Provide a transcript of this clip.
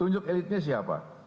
tunjuk elitnya siapa